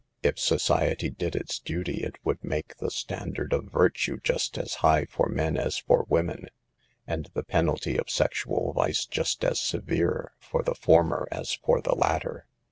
If society did its duty it would make the standard of virtue just as high for men as for women, and the penalty of sexual vice just as severe for the former as for the latter.